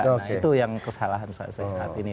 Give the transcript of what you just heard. nah itu yang kesalahan saat ini